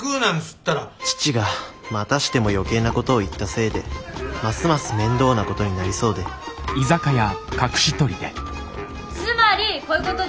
父がまたしても余計なことを言ったせいでますます面倒なことになりそうでつまりこういうことですね。